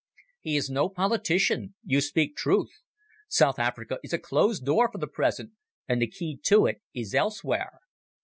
He is no politician. You speak truth. South Africa is a closed door for the present, and the key to it is elsewhere.